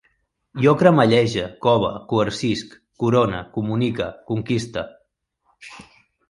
Jo cremallege, cove, coercisc, corone, comunique, conquiste